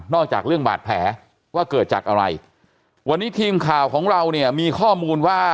จากเรื่องบาดแผลว่าเกิดจากอะไรวันนี้ทีมข่าวของเราเนี่ยมีข้อมูลว่า